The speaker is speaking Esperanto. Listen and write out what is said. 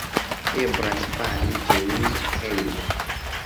Eblas fari ĝin hejme.